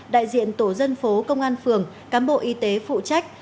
đại diện tổ dân phố công an phường cám bộ y tế phụ trách